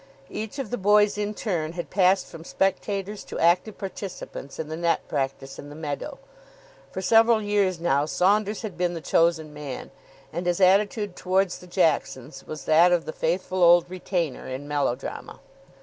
Each of the boys in turn had passed from spectators to active participants in the net practice in the meadow. For several years now Saunders had been the chosen man, and his attitude towards the Jacksons was that of the Faithful Old Retainer in melodrama.